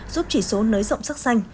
giúp chỉ số nới rộng sắc xanh